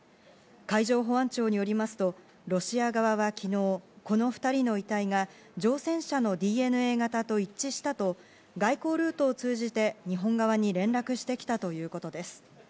海上保安庁によりますと、ロシア側は昨日、この２人の遺体が乗船者のＤＮＡ型と一致したと外交ルートを通じて日本側に連絡してきたということです。